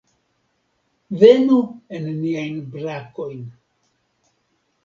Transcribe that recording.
Venu en niajn brakojn!